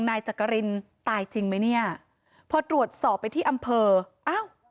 นายจักรินตายจริงไหมเนี่ยพอตรวจสอบไปที่อำเภออ้าว